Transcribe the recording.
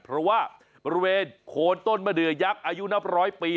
เพราะว่าบริเวณโคนต้นมะเดือยักษ์อายุนับร้อยปี